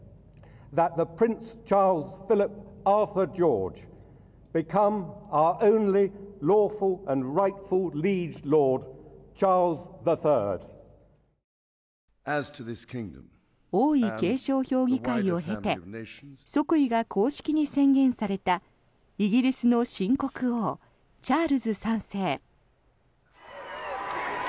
王位継承評議会を経て即位が公式に宣言されたイギリスの新国王チャールズ３世。